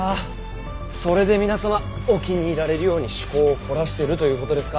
それで皆様お気に入られるように趣向を凝らしてるということですか。